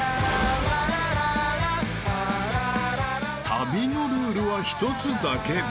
［旅のルールは１つだけ］